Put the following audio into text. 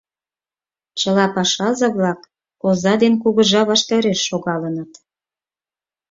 Чыла пашазе-влак оза ден кугыжа ваштареш шогалыныт.